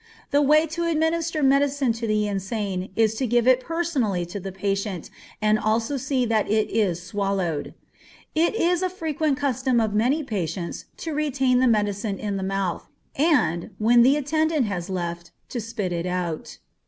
The way to administer medicine to the insane is to give it personally to the patient, and also see that it is swallowed. It is a frequent custom of many patients to retain the medicine in the mouth, and, when the attendant has left, to spit it out.